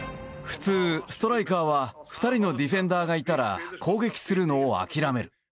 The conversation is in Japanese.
普通ストライカーは２人のディフェンダーがいたら攻撃するのを諦める。